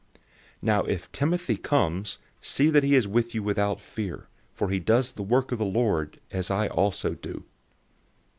016:010 Now if Timothy comes, see that he is with you without fear, for he does the work of the Lord, as I also do.